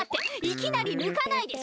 いきなりぬかないで！